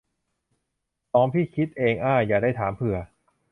สองพี่คิดเองอ้า อย่าได้ถามเผือ